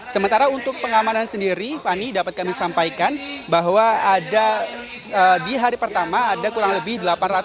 sementara untuk pengamanan sendiri fani dapat kami sampaikan bahwa ada di hari pertama ada kurang lebih delapan ratus